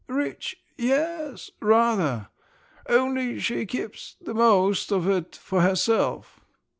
"Rich; yes, rather! Only she keeps the most of it for herself."